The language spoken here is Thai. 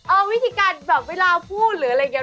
วิธีการแบบเวลาพูดหรืออะไรอย่างนี้